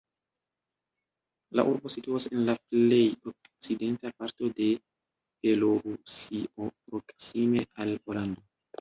La urbo situas en la plej okcidenta parto de Belorusio, proksime al Pollando.